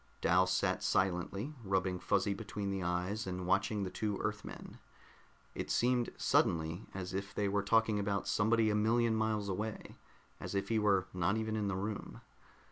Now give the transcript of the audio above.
Dal sat silently, rubbing Fuzzy between the eyes and watching the two Earthmen. It seemed suddenly as if they were talking about somebody a million miles away, as if he were not even in the room.